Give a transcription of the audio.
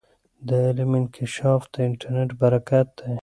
د علم انکشاف د انټرنیټ برکت دی.